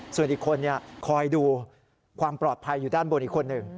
ส่วนอีกคนคอยดูความปลอดภัยอยู่ด้านบนอีกคนหนึ่ง